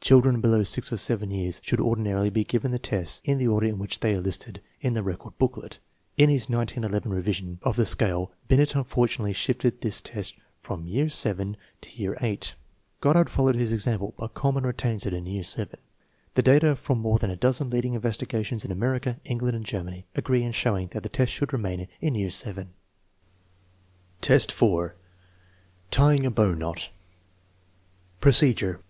Children below 6 or 7 years should ordinarily be given the tests in the order in which they are listed in the record booklet. In his 1911 revision of the scale Binet unfortunately shifted this test from year VII to year VIII. Goddard fol lows his example, but Kuhlmann retains it in year VII. The data from more than a dozen leading investigations in America, England, and Germany agree in showing that the test should remain in year VII. VII, 4. Tying a bow knot Procedure.